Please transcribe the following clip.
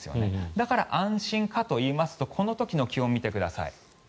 だから、安心かといいますとこの時の気温を見てください。